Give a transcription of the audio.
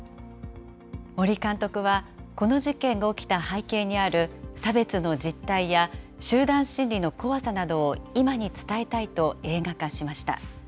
森監督は、この事件が起きた背景にある差別の実態や、集団心理の怖さなどを今に伝えたいと映画化しました。